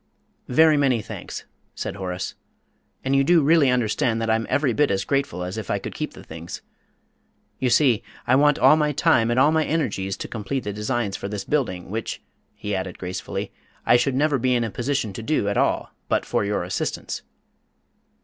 "Very many thanks," said Horace. "And you do really understand that I'm every bit as grateful as if I could keep the things? You see, I want all my time and all my energies to complete the designs for this building, which," he added gracefully, "I should never be in a position to do at all, but for your assistance."